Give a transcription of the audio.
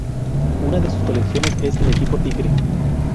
Una de sus colecciones es El equipo tigre.